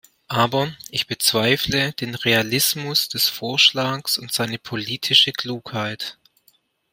Aber ich bezweifle den Realismus des Vorschlags und seine politische Klugheit.